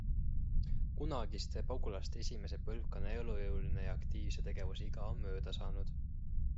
Kunagiste pagulaste esimese põlvkonna elujõuline ja aktiivse tegevuse iga on mööda saanud.